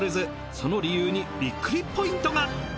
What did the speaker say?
その理由にびっくりポイントが。